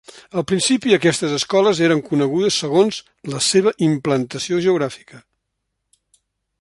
Al principi, aquestes escoles eren conegudes segons la seva implantació geogràfica.